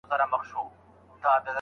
تل د خپلو ښو نظریو په اړه بحث وکړئ.